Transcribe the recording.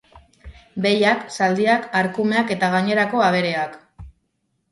Behiak, zaldiak, arkumeak eta gainerako abereak.